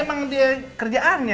nah kan memang dia kerjaannya